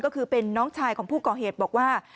ก็คือเป็นน้องชายของผู้ก่อเหตุบอกว่า